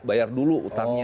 bayar dulu utangnya